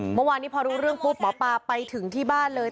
เมื่อวานนี้พอรู้เรื่องปุ๊บหมอปลาไปถึงที่บ้านเลย